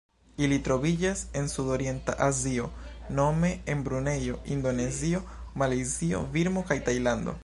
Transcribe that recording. Ili troviĝas en Sudorienta Azio nome en Brunejo, Indonezio, Malajzio, Birmo kaj Tajlando.